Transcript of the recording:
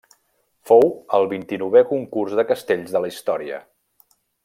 Fou el vint-i-novè concurs de castells de la història.